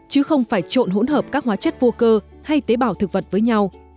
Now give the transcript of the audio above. chứ không phải trộn hỗn hợp các hóa chất vô cơ hay tế bào thực vật với nhau